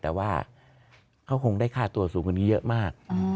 แต่ว่าเขาคงได้ค่าตัวสูงกว่านี้เยอะมาก